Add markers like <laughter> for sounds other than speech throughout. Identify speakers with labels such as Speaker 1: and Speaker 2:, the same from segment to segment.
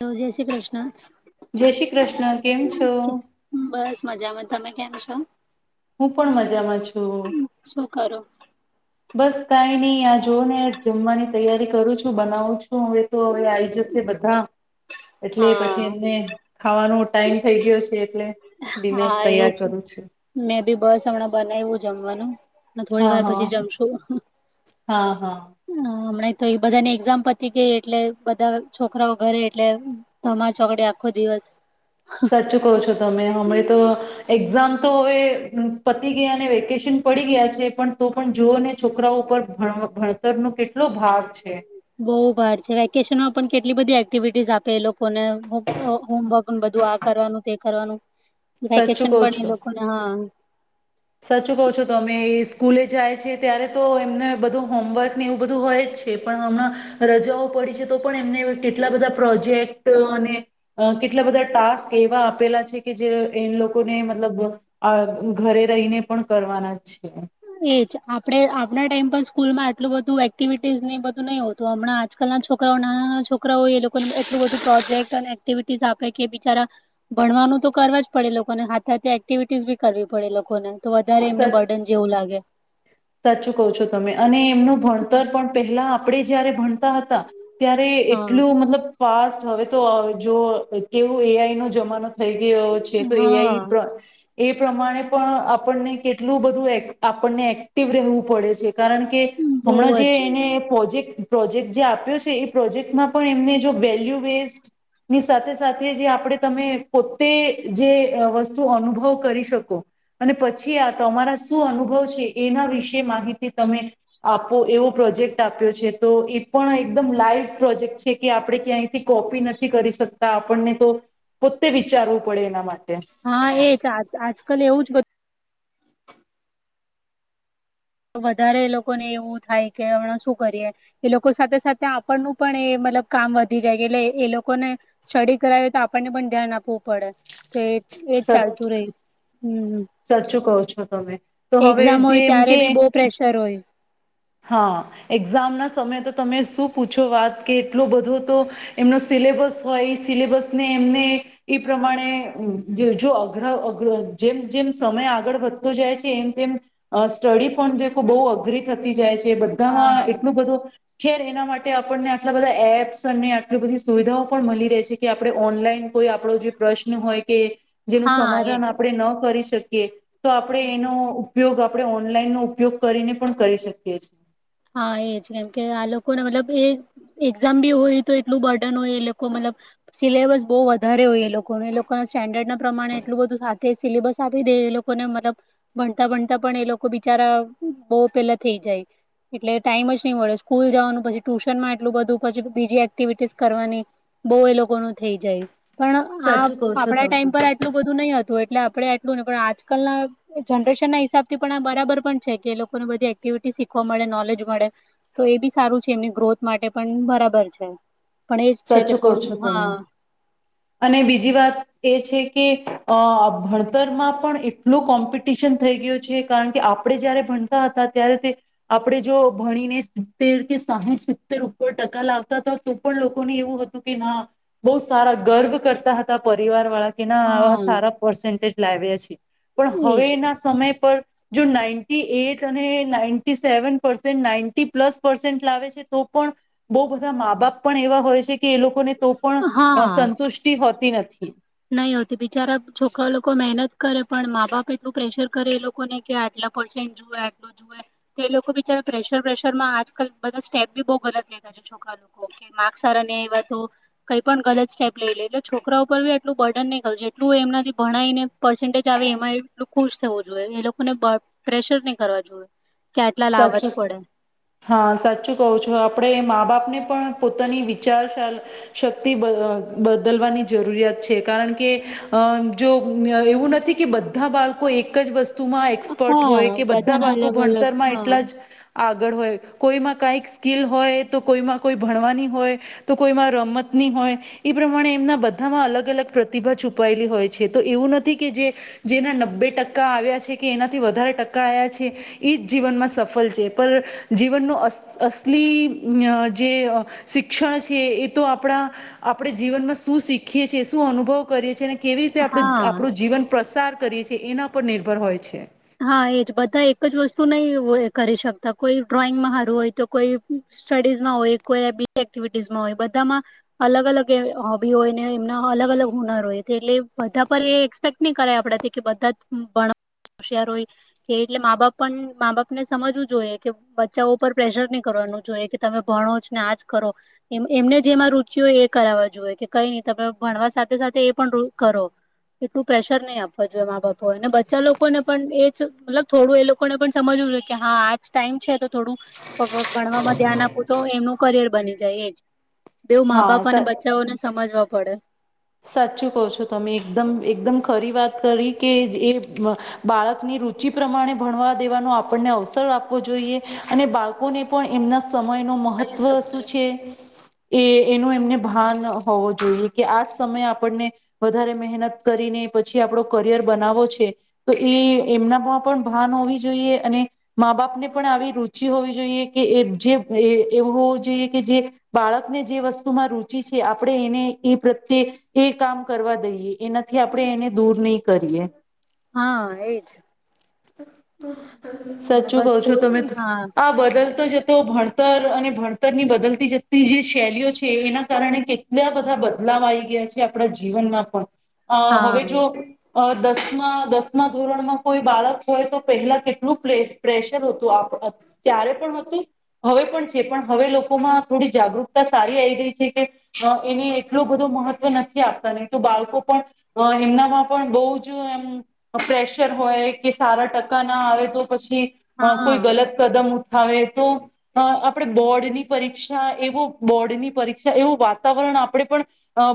Speaker 1: હ જય શ્રી કૃષ્ણ.
Speaker 2: જય શ્રી કૃષ્ણ કેમ છો હું
Speaker 1: બસ મજામાં તમે કેમ છો?
Speaker 2: હું પણ મજામાં છું.
Speaker 1: શું કરો?
Speaker 2: બસ કઈ નહી આ જો ને જમવાની તૈયારી કરું છું. બનાવું છું હવે તો હવે આવીઈ જશે બધા એટલે પછી
Speaker 1: હા
Speaker 2: એમને ખાવાનો ટાઈમ થઈ ગયો છે. એટલે ડિનર તૈયાર કરું છું.
Speaker 1: મણા બનાવ્યું જમવાનું હ થોડી
Speaker 2: હા
Speaker 1: વાર
Speaker 2: હા
Speaker 1: પછી જમશું.
Speaker 2: <inaudible>
Speaker 1: હમણાં તો એ બધા ની એક્ઝામ પતી ગઈ, એટલે બધા છોકરાઓ ઘરે, એટલે ધમાચોકડી આખો દિવસ
Speaker 2: સર્ચું કહો છો તમે હમણાં તો, એક્ઝામ તો હવે પતી ગયા ને વેકેશન પડી ગયા છે પણ તો પણ જોઓ ને છોકરાઓ ઉપર ભન ભણતરનો કેટલો ભાર છે.
Speaker 1: બહુ ભાર છે વેકેશન માં પણ કેટલી બધી એક્ટિવિટીઝ આપે એ લોક કોને હોમ હોમવર્ક બધું આ કરવાનું તે કરવાનું.
Speaker 2: સાચું
Speaker 1: વેકેશન
Speaker 2: કહો
Speaker 1: બને
Speaker 2: છો
Speaker 1: લોકોને હા
Speaker 2: સાચું કહો છો તમે એ સ્કૂલે જાય છે ત્યારે તો એમને બધું હોમવર્ક ને એવું બધું હોય જ છે પણ હમણાં, રજાઓ પડી છે, તો પણ એમને કેટલા બધા પ્રોજેક્ટ, અને કેટલા બધા ટાસ્ક એવા આપેલા છે કે જે એ લોકોને મતલબ આ ઘરે રઈ ને પણ કરવાના. જ છે
Speaker 1: એજ આપડે આ હમણા ટાઈમ પર સ્કૂલ માં એટલું બધું એક્ટિવિટીઝ ને બધું નહીં હોતું હમણા આજકાલ ના છોકરાઓ નાના નાના છોકરાઓ એ લોકોને એટલું બધું પ્રોજેક્ટ અને એક્ટિવિટીસ આપે કે બિચારા, ભણવાનું તો કરવા જ પડે એ લોકોને હાથથે હાથે એક્ટિવિટીઝ બી કરવી પડે એ લોકોને. તો વધારે એમને
Speaker 2: સચ
Speaker 1: બર્ડન લાગે.
Speaker 2: સાચું કહ છો તમે અને એમનું ભણતર પણ પહેલા આપ આપણે જયારે ભણતા હતા. ત્યારે
Speaker 1: હા
Speaker 2: એટલું મતલબ ફાસ્ટ હવે તો જો કેવું એઆઈ નો જમાનો થઈ ગયો છે, તો એઆ
Speaker 1: હા
Speaker 2: એ પ્રમાણે પણ આપણને કેટલું બધું આપને રહેવું પડે છે. કારણ કે,
Speaker 1: બહુ
Speaker 2: હમણાં જે
Speaker 1: જ
Speaker 2: એને પ્રોજેક્ટ પ્રોજેક્ટ જે આપ્યો છે એ પ્રોજેક્ટમાં પણ એમને જો વેલ્યુ વેસ્ટ, ની સાથે સાથે જે આપણે તમે પોતે જે વસ્તુ અનુભવ કરી શકો, અને પછી, આ તમારા શું અનુભવ છે એના વિશે માહિતી તમે આપો એવો પ્રોજેક્ટ આપ્યો છે તો એ પણ એકદમ લાઈવ પ્રોજેક્ટ છે કે આપણે ક્યાંયથી કોપી નથી કરી શકતા, આપણને તો પોતે વિચારવું પડે એના માટે.
Speaker 1: હા એ જ આજકાલ એવું જ બ વધારે એ લોકોને એવું થાય કે હમણાં શું કરીએ, એ લોકો સાથે સાથે આપણનું પણ એ મતલબ કામ વધી જાય કે, એટલે એ લોકોને સ્ટડી કરાવી તો આપણને પણ ધ્યાન આપવું પડે, તો એજ ચાલતું રહી, હમ્મ.
Speaker 2: સાચું કહો છો તમે. તો હવે જે
Speaker 1: હોય
Speaker 2: એમ
Speaker 1: ત્યારે
Speaker 2: કે,
Speaker 1: બી બહુ પ્રેશર હોય
Speaker 2: હા એક્ઝામ ના સમયે તો તમે શું પૂછો વાત કે એટલો બધો તો, એમનો સિલેબસ હોય એ સિલેબસને એમને એ પ્રમાણે જો અગ્ર જેમ જેમ સમય આગળ વધતો જાય છે એમ તેમ, સ્ટડી પણ બહુ અઘરી થતી જાય છે. એ
Speaker 1: હા
Speaker 2: બધામાં એટલું બધું ખેર એના માટે આપણને આટલા બધા એપ્સ અને આટલી બધી સુવિધાઓ પણ મળી રહે છે કે આપણે ઓનલાઈન કોઈ આપણો જે પ્રશ્ન હોય કે, જેનું
Speaker 1: હા એ
Speaker 2: સમાધાન આપણે ન કરી શકીએ. તો આપડે એનો ઉપયોગ આપણે ઓનલાઈન નો ઉપયોગ કરીને પણ કરી શકીએ છીએ છે.
Speaker 1: હા એ જ કેમકે આ લોકોને મતલબ એ એક્ઝામ બી હોય તો એટલું બર્ડન હોય એ લોકો મતલબ, સિલેબસ બહુ વધારે હોય એ લોકોને એ લોકોના સ્ટેન્ડર્ડ ના પ્રમાણે એટલું બધું સાથે સિલેબસ આપી દે એ લોકોને મતલબ, ભણતા ભણતા પણ એ લોકો બિચારા બહુ પેલા થઈ જાય. એટલે ટાઈમ જ નહી મળે સ્કૂલ જવાનું પછી ટ્યુશન માં એટલું બધું પી બીજી એક્ટિવિટીસ કરવાની, બહ એ લોકો નું થઇ જાય. પણ આ
Speaker 2: સાચું કહો છો
Speaker 1: આપણા
Speaker 2: તમે.
Speaker 1: ટાઈમ પર આટલું બધું નહી હતું. એટલે આપણે એટલું નહીં પણ આજકાલના જનરેશનના હિસાબથી પણ આ બરાબર પણ છે કે એ લોકોને બધી એક્ટિવિટી શીખવા મળે નો મળે, તો એ બી સારું છે એમની ગ્રોથ માટે પણ બરાબર છે. પણ એજ છે
Speaker 2: સચ
Speaker 1: કે
Speaker 2: કહો
Speaker 1: થોડું
Speaker 2: છો
Speaker 1: હા
Speaker 2: તમે, અને બીજી વાત એ છે. કે અ ભણતરમાં પણ એટલુ કોમ્પિટિશન થઈ ગયો છે કારણ કે, આપણે જય્યારે ભણતા હતા ત્યારે, તે આપણે જો ભણીને સિત્તેર કે સાહીઠ સિત્તેર ઉપર ટકા લાવતા હતા તો પણ લોકો એવું હતું કે ના બહ સારા ગર્વ કરતા હતા પરિવાર વાળા. કે ના
Speaker 1: હા
Speaker 2: સારા પરસન્ટેજ લાવવે છે. પણ
Speaker 1: એજ
Speaker 2: હવેના સમય પર જો નાઇન્ટી એટ અને ninety seven percent ninety plus percent લાવે છે તો પણ, બો બધા મા બાપ પણ એવા હોય છે. કે એ લોકોને તો પણ
Speaker 1: હા
Speaker 2: સંતુષ્ટિ હોતી નથી. <inaudible>
Speaker 1: નહી હોતી બિચારા છોકરા લોકો મહેનત કરે પણ મા બાપ એટલું પ્રેશર કરે એ લોકોને કે આટલા પર્સેન્ટ જુએ આટલો જુએ, તો એ લોકો બિચારા પ્રેશર પ્રેશર માં આજકાલ બધા સ્ટેપ બી બહુ ગલત લેતાા છે છોકરા લોકો કે માર્ક સારા નેં એવા તો, કંઈ પણ ગલત સ્ટેપ લઈ લે એટલે છોકરાઓ પર બ એટલું બર્ડન નહી કરવ એટલું એમનાથી ભણને પર્સન્ટેજ આવે એમાં એટલું ખુશ થવું જોઈએ એ લોકોને પ્રેશર નહી કરવા જોઈએ. કે આટલા લાવવા
Speaker 2: સચ,
Speaker 1: જ પડે
Speaker 2: હા સાચું કવ છું આપડે મા બાપને પણ પોતાની વિચાર શક્તિ બદલવાની જરૂરિયાત છે કારણ કે, અ જો એવું નથી કે બધા બાળકો એક જ વસ્તુ વસ્તુમાં એક્સપર્ટ
Speaker 1: હા
Speaker 2: હોય કે બધા
Speaker 1: બધાના
Speaker 2: બાળકો
Speaker 1: અલગ
Speaker 2: ભણ
Speaker 1: અલગ હા
Speaker 2: એટલા જ આગળ હોય, કોઈમાં કઈક સ્કીિલ હોય તો કોઈમાં કોઈ ભણવાની હોય, તો કોઈમાં રમતની હોય એ પ્રમાણે એમના બધામાં અલગ અલગ પ્રતિભા છુપાયેલી હોય છે તો એવું નથી કે જે, જેના નબ્બે ટકા આવ્યા છે કે એનાથી વધારે ટકા આવ્યા છે. એ જ જીવનમાં સફળ છે પર, જીવનનો અસ અસલી જે શિક્ષણ છે એ તો આપણા, આપણે જીવનમાં શું શીખીએ છીએ શું અનુભવ કરીએ છીએ ને કેવી રીતે આપું
Speaker 1: હા
Speaker 2: આપણું જીવન પ્ર સાર કરીએ છીએ એના પર નિર્ભર હોય છે.
Speaker 1: હા એ જ બધા એક જ વસ્તુ નહી કરી શકતા કોઈ ડ્રોઈંગમાં સારું હોય તો કોઈ સ્ટડીઝમાં હોય કોઈ બીજી એક્ટિવિટીઝમાં હોય બધામાં અલગ અલગ એ હોબી હોય ને એમના અલગ અલગ હુનર હોય એટલે બધા પર એ એક્સપેક્ટ નહી કરે આપણાથી કે બધા જ ભણ હોશયાર હોય, કે એટલે મા બાપ પણ મા બાપને સમજવું જોઈએ કે બચ્ચાઓ ઉપર પ્રેશર નહી કરવાનું જોઈએ કે તમે ભણો જ ને આજ કરો, એ એમને જેમાં રુચિ હોય એ કરાવવા જોઈએ કે કઈ, નહી તમે ભણવા સાથે સાથે એ પણ કરો એટલું પ્રેશર નહી આપવા જોઈએ મા બાપો અને બચ્ચા લોકો લોકોને પણ એ જ મતલબ થોડું એ લોકોને પણ સમજવું જોઈએ કે હા આજ ટાઈમ છે તો થોડું ભણવામાં ધ્યાન આપવું તો એમનું કરિયર બની જાય એજ બેવ મા
Speaker 2: હા
Speaker 1: બાપ અને
Speaker 2: સ
Speaker 1: બચાઓને સમજવા પડે.
Speaker 2: સાચું કહ છો તમે એકદમ એકદમ ખરી વાત કરી કે એ, બાળકની રુચિ પ્રમાણે ભણવા દેવાનો આપણને અવસર આપવો જોઈએ, અને બાળકોને પણ એમના સમય ન મહત્ત્વ શું છે એ એનું એમને ભાન હોવો જોઈએ કે આ સમય આપણને, વધારે મહેનત કરીને પછી આપણો કરિયર બનાવો છે, તો એ એમનામાં પણ ભાન હોવી જોઈએ, અને મા બાપ ને પણ આવી રુચિ હોવી જોઈએ કે જે એવું હોવું જોઈએ કે જે બાળકને જે વસ્તુમાં રુચિ છે આપણે એને એ એ કામ કરવા દઈએ એનાથી આપણે એને દૂર નહીં કરીએ.
Speaker 1: હા એજ.
Speaker 2: <inaudible>
Speaker 1: હમણાં
Speaker 2: સાચું કહ
Speaker 1: બસ
Speaker 2: છો
Speaker 1: સ્કૂલ
Speaker 2: તમે,
Speaker 1: હા
Speaker 2: આ બડલ જતો ભણતર અને ભણતર ની બદલતી જતી જે શૈલીઓ છે એના કારણે કેટલા બધા બદલાવ આવી ગયા છે આપણા જીવનમાં પણ. અ હવે
Speaker 1: હા
Speaker 2: જો અ દસમા દસમા ધોરણ માં કોઈ બાળક હોય તો પહેલા કેટલું પ્રેશર હતું ત્યારે પણ હતું, હવે પણ છે પણ હવે લોકોમાં થોડી જાગૃતતા સારી આવી ગઈ છે કે, એને એટલો બધો મહત્ત્વ નથી આપતા નહી તો બાળકો પણ, એમનામાં પણ બહુ જ એમ પ્રેશર હોય. કે સારા ટકા ના આવે તો પછી
Speaker 1: હા
Speaker 2: કોઈ ગલત કદમ ઉઠ હવે તો, આપણે બોર્ડની પરીક્ષા એવો બોર્ડની પરીક્ષા એવું વાતાવરણ આપણે પણ,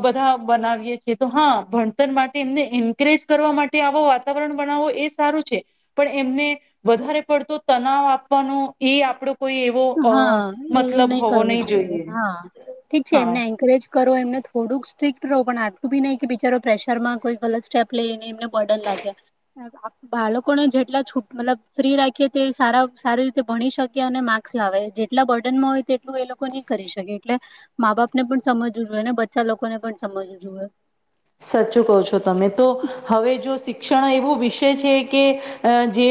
Speaker 2: બધા બનાવીએ છીએ તો હા ભણતર માટે એમને એન્કરેજ કરવા માટે આવો વાતાવરણ બનાવવો એ ારું છે, પણ એમને વધારે પડત તવ આપવાનો એ આપડ
Speaker 1: હા એ નહી કરવું જોઈએ હા, ઠીક છે
Speaker 2: હા
Speaker 1: એમને એન્કરેજ કરો એમને થોડુંક સ્ટ્રીક્ટ ો પણ આટલું બી નહી કે બિચારો પ્રેશર માં કોઈ ગલત સ્ટેપ લઈને એમને બર્ડન લાગ્યા, બાળકોને જેટલા છૂટ મતલબ ફ્રી રાખીએ તે સાર સારી રીતે ભણી શકી અને લાવે જેટલા બર્ટનમાં હોય તેટલું એ લોકો નહી કરી શકે એટલે, મા બાપ ને પણ સમજવું જોઈએ ને બચ્ચા લોકોને પણ સમજવું જોએ.
Speaker 2: સાચું કહો છો તમે તો, હવે જો શિક્ષણ એવો વિષય છે કે, જે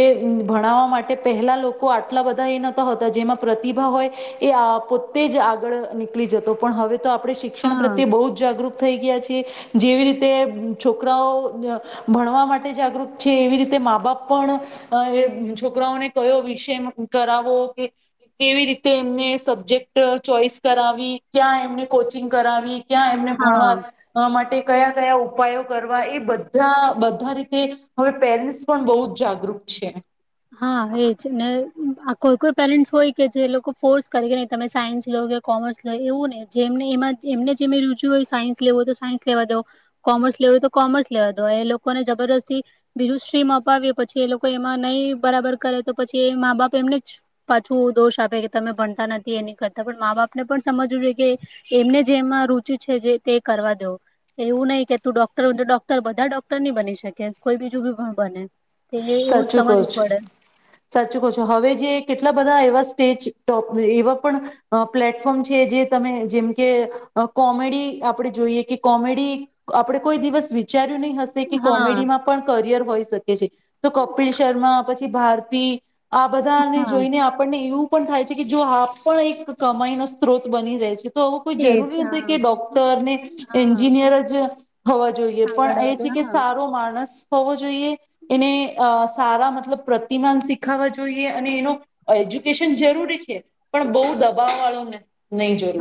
Speaker 2: ભણાવવા માટે પહેલા લોકો આટલા બધા એ નહોતા હોતા જેમાં પ્રતિભા હોય, એ પોતે જ આગળ નીકળી જતો પણ હવે તો આપણે શિક્ષણ
Speaker 1: હા
Speaker 2: પ્રત્યે બહુ જાગૃત થઈ ગયા છે. એ જેવી રીતે છોકરાઓ અ ભણવા માટે જાગૃત છે એવી રીતે મા બાપ પણ, અ છોકરાઓને કયો વિષય કુ કરાવો કે, કેવી રીતે એમને સબ્જેક્ટ ચોઈસ કરાવી ક્યાં એમને કોચિંગ કરાવી. ક્યાં એમને
Speaker 1: હા
Speaker 2: ભણવા અ માટે કયા કયા ઉપાયો કરવા એ બધા બધા રીતે, હવે પેરેન્ટસ પણ બહુ જ જાગૃત છે.
Speaker 1: હા એજ ને આ કોઈ કોઈ પેરેન્ટ્સ હોય કે જે લોકો ફોર્સ કરે કે નહી તમે સાયન્સ લો કે કોમર્સ લો એવું નય જેમને એમા જ એમને જેમે રુચુ હોય સાયન્સ લેવોય તો સાયન્સ લેવા દો, કોમર્સ લેવું હોય તો કોમર્સ લેવા દો એ લોકોને જબરદસ્તી બીજું સ્ટ્રીમ અપાવી પછી એ લોકો એમાં નહીં બરાબર કરે તો પછી એ મા બાપ એમને જ પાછું દોષ આપે કે તમે ભણતા નથી એ નહી કરતા પણ મા બાપને પણ સમજવું જોઈએ, કે એમને જેમાં રુચિ છે જે તે કરવા દો, એવું નઈ કે તું ડોક્ટર ડોક્ટર બધા ડોક્ટર નહી બની શકે કોઈ બીજું બી બને. તેયે એવું જ
Speaker 2: સાચું કહું
Speaker 1: સમજવું પડે
Speaker 2: સાચું કઊ છુ, હવે જે કેટલા બધા એવા તે જ ટોપ એવા પણ, અ પ્લેટફોર્મ છે જે તમે જેમ કે અ કોમેડી આપણે જોઈએ કે કોમેડી આપણેે કોઈ દિવસ વિચાર રી નઈ હશે કે
Speaker 1: હા
Speaker 2: કોમેડીમાં પણ કરિયર હોય શકે. કે છે. તો કપિલ શર્મા પછી ભારતી. આ બધાને
Speaker 1: હા
Speaker 2: જોઈને આપણને એવું પણ થાય છે કે જો આપ પણ એક કમાઈ ન સ્ત્રોત બની રહે છે. તો કોઈ
Speaker 1: એજ
Speaker 2: જરૂરી નથી
Speaker 1: હા
Speaker 2: કે ડોક્ટર ને,
Speaker 1: હા
Speaker 2: એન્જિનિયર જ હોવા જોઈએ
Speaker 1: આગળ
Speaker 2: પણ એ છે
Speaker 1: વધે
Speaker 2: કે
Speaker 1: હા
Speaker 2: સારો માણસ હોવો જોઈએ. એને અ સારા મતલબ પ્રતિમાન શીખાવા જોઈએ અને એનો એજ્યુકેશન જરૂરી છે. પણ બઊ દબાવ વાળો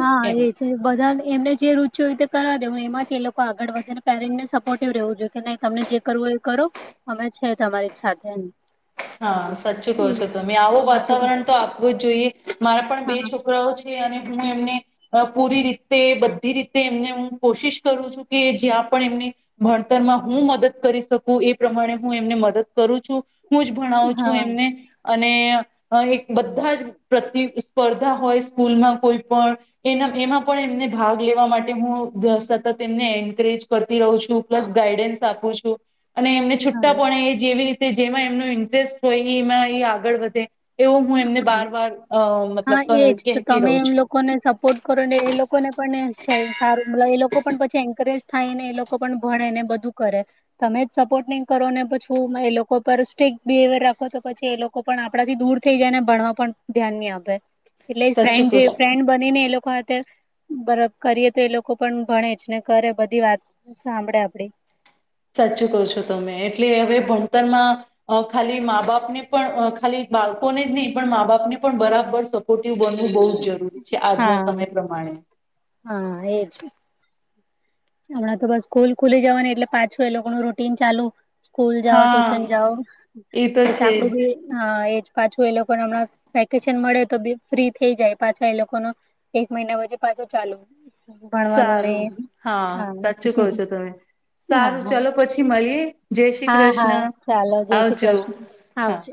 Speaker 1: હા એ છે બધા એમને જે રુ જો રીતે કરાવા દેવુ એમાં જ એ લોકો આગળ વધે ને પેરેન્ટને સપોર્ટિવ રહેેવું જોઈએ કે નઈ તમને જે કરવું હો એ કરો, અમે છે તમારી સાથે એમ.
Speaker 2: હા સાચું કહો
Speaker 1: એ
Speaker 2: છો
Speaker 1: છે
Speaker 2: તમે આવું
Speaker 1: હમણાં
Speaker 2: વાતાવરણ તો આપવું જ જોઈએ. મારા પણ બે
Speaker 1: હા
Speaker 2: છોકરાઓ છે અને હું એમને, અ પૂરી રીતે બધી રીતે એમને હું કોશિશ કરું છું કે જ્યાં પણ એમની, ભણતરમાં હું મદદ કરી શકું એ પ્રમાણે હું એમને મદદ કરું છું. હું જ ભણાવું છું
Speaker 1: હા
Speaker 2: એમને અને અ એક બધા જ પ્રતિ સ્પર્ધા હોય સ્કૂલમાં કોઈ પણ, એના એમાં પણ એમને ભાગ લેવા માટે હું સતત એમને એન્કરેજ કરતી રહું છું પ્લસ ગાઈડન્સ આપું છું. અને એમને
Speaker 1: હા
Speaker 2: છુટ્ટા પણે એ જેવી રી તે જેમાં એમનું ઇન્ટરેસ્ટ હોય ઈમાં એ આગળ વધે. એવો હું એમને
Speaker 1: હા
Speaker 2: બાર વાર અ
Speaker 1: હા એજ
Speaker 2: મતલબ
Speaker 1: તો
Speaker 2: કહેતી
Speaker 1: તમે
Speaker 2: રહું
Speaker 1: એમ
Speaker 2: છું
Speaker 1: લોકોને સપોર્ટ કરો ને એ લોકોને પણ ને છે સારું મતલ એ લોકો પણ પછી એન્કરેજ થાયને એ લોકો પણ ભણે ને બધું કરે, તમે જ સપોર્ટ નહીં કરો ને પછું એ લોકો પર સ્ટીકટ બિહેવિયર રાખો તો પછી એ લોકો પણ આપણાથી દૂર થઈ જાય ને ભણવા પણ ધ્યાન નહીં આ પે. એટલે
Speaker 2: સાચું
Speaker 1: ફ્રેન્ડ
Speaker 2: કહો
Speaker 1: જે ફ્રેન્ બની ને એ લોકો બરાબ કરીએ તો એ લોકો પણ ભણે જ ને કરે બધી વાત સાંભળે આપડી.
Speaker 2: સાચું ક છો તમે એટલે હવે ભણતરમાં અ ખાલી મા બાપ ને પણ ખાલી બાળકોને જ નહી પણ મા બાપને પણ બરાબર શ ખોટ બનવું બહુ જરૂરી છે આજના
Speaker 1: હા
Speaker 2: સમય પ્રમાણે.
Speaker 1: હા એજ. હમણાં તો બસ સ્કૂલ ખુલી જવાનું એટલે પાછું એ લોકો નું રૂટીન ચાલુ. સ્કૂલ જાઓ
Speaker 2: હા
Speaker 1: ટ્યુશન જાઓ
Speaker 2: તો
Speaker 1: એ ચ
Speaker 2: છે
Speaker 1: આપડું બી
Speaker 2: જ
Speaker 1: એ પાછું એ લોકોને હમણાં વેકેશન મળે તો બ ફ્રી થઈ જાય પાછા એ લોકો, ન એક મહિના પછી પાછું ચાલુ. ભણવાનું નહ
Speaker 2: સારું હા સાચું કહ છો તમે, સારું
Speaker 1: હા
Speaker 2: ચાલો પછી મળીએ જય શ્રી
Speaker 1: હા હા
Speaker 2: કૃષ્ણ,
Speaker 1: ચાલો જય શ્રી
Speaker 2: આવજો
Speaker 1: કૃષ્ણ
Speaker 2: હા.
Speaker 1: આવજો